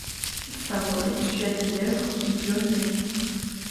Favourite, tu as des lèvres ioniennes.